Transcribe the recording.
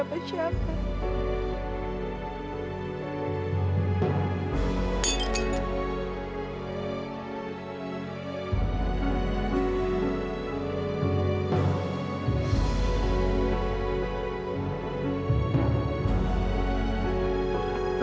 eh ram ram